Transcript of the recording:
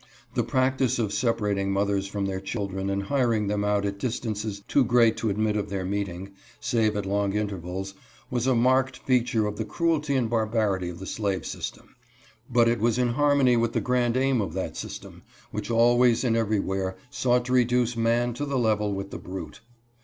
The practice of separat ing mothers from their children and hiring them out at distances too great to admit of their meeting, save at long intervals, was a marked feature of the cruelty and barbarity of the slave system £but it was in harmony with the grand aim of that system, which always and every where sought to reduce man to a level with the brute.